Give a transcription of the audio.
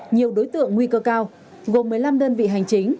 nhiều đối tượng nguy cơ cao gồm một mươi năm đơn vị hành chính